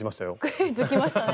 クイズきましたね。